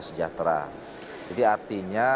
sejahtera jadi artinya